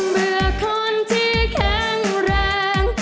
เมื่อคนที่แข็งแรง